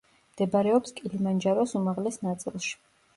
მდებარეობს კილიმანჯაროს უმაღლეს ნაწილში.